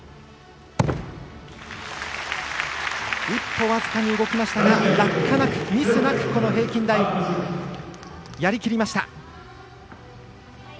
１歩、僅かに動きましたが落下なく、ミスなく平均台やりきりました。